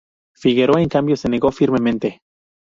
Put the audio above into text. Figueroa, en cambio, se negó firmemente.